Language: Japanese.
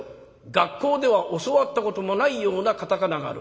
学校では教わったこともないような片仮名がある。